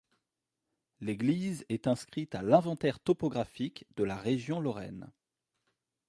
L'église est inscrite à l'inventaire topographique de la région Lorraine.